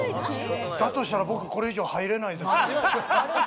だとしたら僕これ以上入れないです。